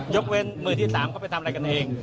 ยกเว้นมือที่๓เขาไปทำอะไรกันเอง